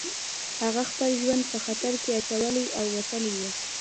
هغه خپل ژوند په خطر کې اچولی او وتلی و